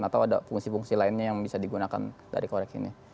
atau ada fungsi fungsi lainnya yang bisa digunakan dari korek ini